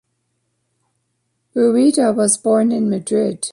Rueda was born in Madrid.